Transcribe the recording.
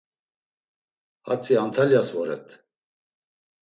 Hatzi Antalyas voret.